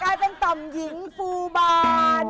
กลายเป็นต่อมหญิงฟูบาน